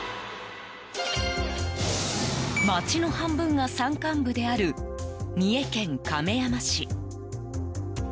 街の半分が山間部である三重県亀山市。